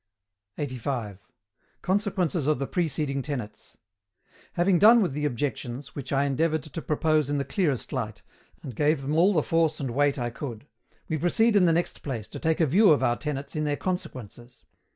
85. CONSEQUENCES OF THE PRECEDING TENETS. Having done with the Objections, which I endeavoured to propose in the clearest light, and gave them all the force and weight I could, we proceed in the next place to take a view of our tenets in their Consequences.